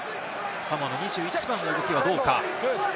サモアの２１番の動きはどうか？